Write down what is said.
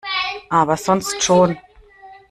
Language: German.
Aber sonst schon.